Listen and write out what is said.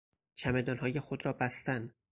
چمدانهای خود را بستن